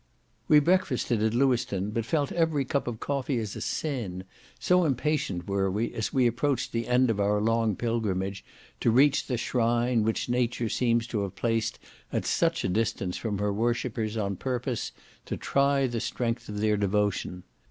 We breakfasted at Lewiston, but felt every cup of coffee as a sin, so impatient were we, as we approached the end of our long pilgrimage, to reach the shrine, which nature seems to have placed at such a distance from her worshippers on purpose to try the strength of their devotion.